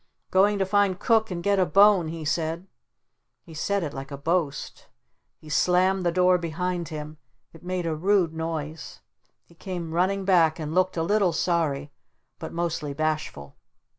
"Going to find Cook and get a bone!" he said. He said it like a boast. He slammed the door behind him. It made a rude noise. He came running back and looked a little sorry, but mostly bashful.